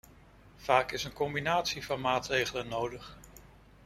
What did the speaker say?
Vaak is een combinatie van maatregelen nodig.